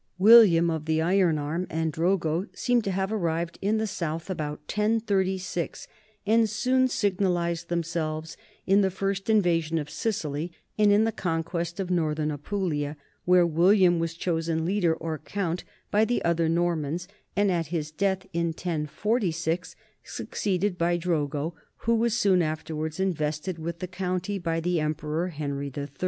William of the Iron Arm and Drogo seem to have arrived in the south about 1036 and soon signalized themselves in the first invasion of Sicily and in the conquest of northern Apulia, where William was chosen leader, or count, by the other Nor mans and at his death in 1046 succeeded by Drogo, who was soon afterward invested with the county by the Emperor Henry III.